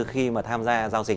khi mà tham gia giao dịch